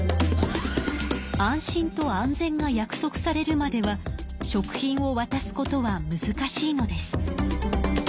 安心と安全が約束されるまでは食品をわたすことはむずかしいのです。